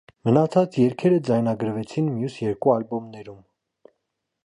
Մնացած երգերը ձայնագրվեցին մյուս երկու ալբոմներում։